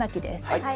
はい。